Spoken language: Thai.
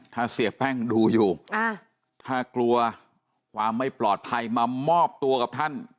ถ้าเสียแป้งดูอยู่ถ้ากลัวความไม่ปลอดภัยมามอบตัวกับท่าน